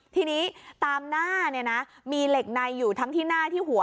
ทีนี้ตามหน้าเนี่ยนะมีเหล็กในอยู่ทั้งที่หน้าที่หัว